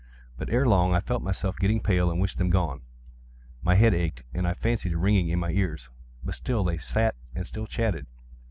But, ere long, I felt myself getting pale and wished them gone. My head ached, and I fancied a ringing in my ears: but still they sat and still chatted.